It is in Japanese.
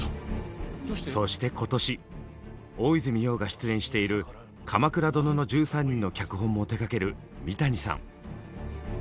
そして今年大泉洋が出演している「鎌倉殿の１３人」の脚本も手がける三谷さん。